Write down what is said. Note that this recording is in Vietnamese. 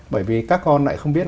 bởi vì các con lại không biết